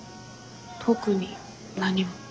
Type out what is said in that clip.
特に何も。